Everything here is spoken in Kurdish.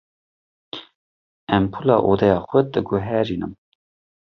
Empûla odeya xwe diguherînim.